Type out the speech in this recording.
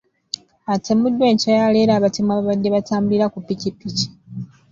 Atemuddwa enkya ya leero abatemu ababadde batambulira ku ppikipiki .